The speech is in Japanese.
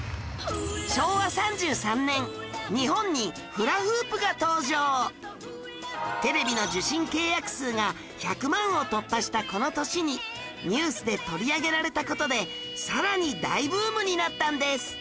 昭和３３年日本にテレビの受信契約数が１００万を突破したこの年にニュースで取り上げられた事でさらに大ブームになったんです